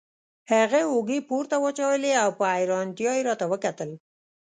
هغه اوږې پورته واچولې او په حیرانتیا یې راته وکتل.